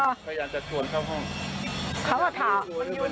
พยายามจะถวนเข้าห้อง